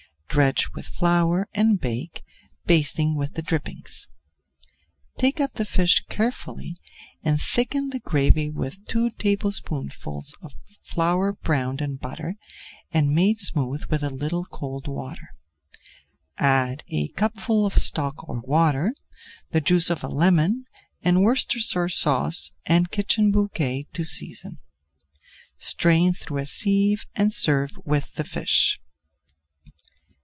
Dredge with flour, and bake, basting with the drippings. Take up the fish carefully and thicken the gravy with two tablespoonfuls of flour browned in butter and made smooth with a little cold water. Add a cupful of stock or water, the juice of a lemon, and Worcestershire Sauce and kitchen bouquet to season. Strain through a sieve and serve with the fish.